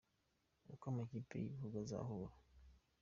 Uko amakipe y’ibihugu azahura